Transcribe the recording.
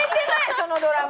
そのドラマ。